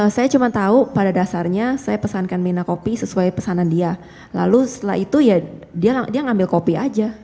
saya cuma tahu pada dasarnya saya pesankan mina kopi sesuai pesanan dia lalu setelah itu ya dia ngambil kopi aja